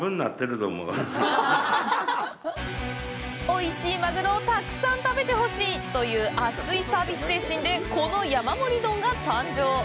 おいしいマグロをたくさん食べてほしいという熱いサービス精神でこの山盛り丼が誕生！